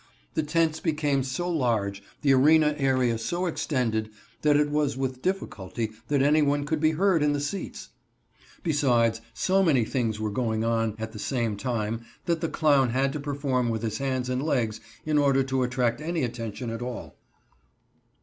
The tents became so large, the arena area so extended, that it was with difficulty that anyone could be heard in the seats. Besides, so many things were going on at the same time that the clown had to perform with his hands and legs in order to attract any attention at all.